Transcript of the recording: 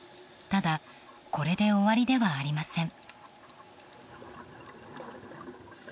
ただこれで終わりではありません。